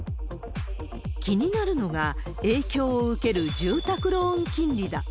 気になるのが、影響を受ける住宅ローン金利だ。